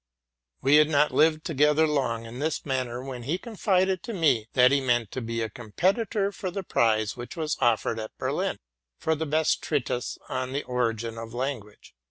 We had not lived together long in this manner when he confided to me that he meant to be a competitor for the prize which was offered at Berlin for the best treatise on the origin of language.